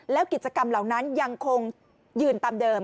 แล้วกิจกรรมเหล่านั้นยังคงยืนตามเดิม